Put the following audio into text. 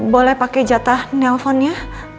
boleh pakai jatah nelponnya